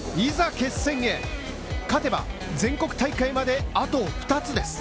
決戦へ勝てば全国大会まであと二つです。